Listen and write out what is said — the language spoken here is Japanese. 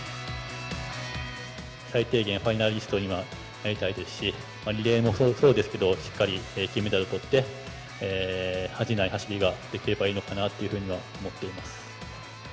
最低限ファイナリストにはなりたいですし、リレーもそうですけど、しっかり金メダルをとって、恥じない走りができればいいのかなと思っています。